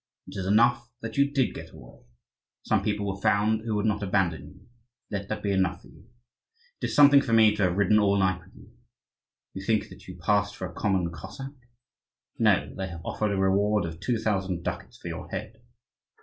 It is enough that you did get away. Some people were found who would not abandon you; let that be enough for you. It is something for me to have ridden all night with you. You think that you passed for a common Cossack? No, they have offered a reward of two thousand ducats for your head."